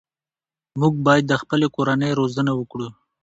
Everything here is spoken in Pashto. موږ باید د خپلې کورنۍ روزنه وکړو.